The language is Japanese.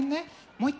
もう一回。